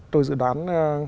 tôi dự đoán